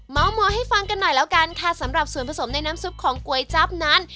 หมอให้ฟังกันหน่อยแล้วกันค่ะสำหรับส่วนผสมในน้ำซุปของก๋วยจั๊บนั้น